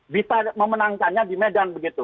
bisa memenangkannya di medan begitu